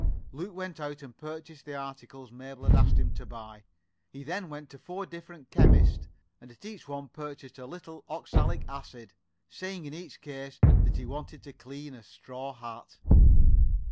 Luke went out and purchased the articles Mabel had asked him to buy. He then went to four different chemists, and at each one purchased a little oxalic acid, saying in each case that he wanted it to clean a straw hat.